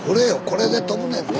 これで飛ぶねん。